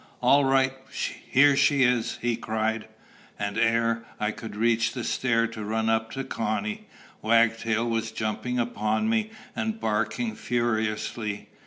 "All right! Here she is!" he cried. And, ere I could reach the stair to run up to Connie, Wagtail was jumping upon me and barking furiously.